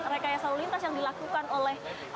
rekayasa lalu lintas yang dilakukan oleh